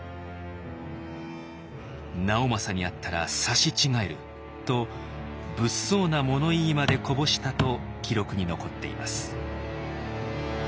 「直政に会ったら刺し違える」と物騒な物言いまでこぼしたと記録に残っています。